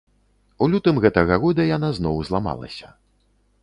У лютым гэтага года яна зноў зламалася.